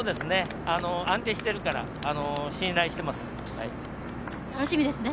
安定しているから信頼しています。